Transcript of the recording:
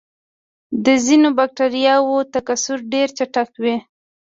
د ځینو بکټریاوو تکثر ډېر چټک وي.